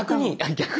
逆に。